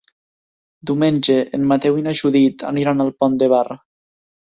Diumenge en Mateu i na Judit aniran al Pont de Bar.